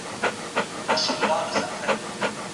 چي نااهله واكداران چيري پيدا سي